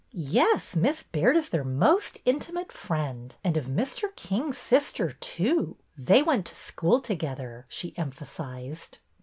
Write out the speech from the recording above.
Yes, Miss Baird is their most intimate friend, and of Mr. King's sister, too. They went to school together," she emphasized.